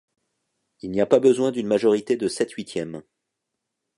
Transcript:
Il n'y a pas besoin d'une majorité de sept huitième.